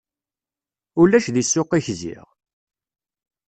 Ulac deg ssuq-ik ziɣ!